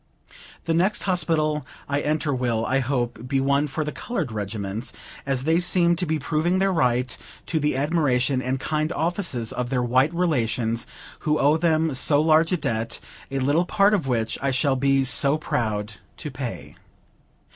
The next hospital I enter will, I hope, be one for the colored regiments, as they seem to be proving their right to the admiration and kind offices of their white relations, who owe them so large a debt, a little part of which I shall be so proud to pay.